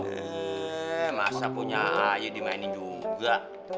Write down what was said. eh masa punya ayah dimainin juga